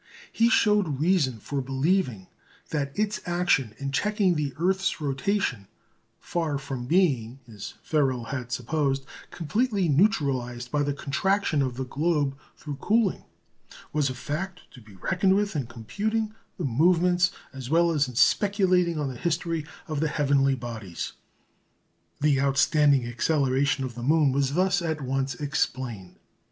He showed reason for believing that its action in checking the earth's rotation, far from being, as Ferrel had supposed, completely neutralised by the contraction of the globe through cooling, was a fact to be reckoned with in computing the movements, as well as in speculating on the history, of the heavenly bodies. The outstanding acceleration of the moon was thus at once explained.